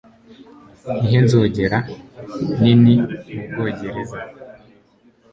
Nihe Nzogera Nini Mubwongereza